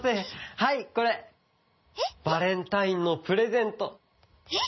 はいこれバレンタインのプレゼント。